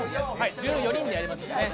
１４人でやりますんでね。